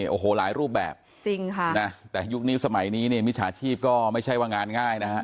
โอ้โหหลายรูปแบบจริงค่ะนะแต่ยุคนี้สมัยนี้เนี่ยมิจฉาชีพก็ไม่ใช่ว่างานง่ายนะฮะ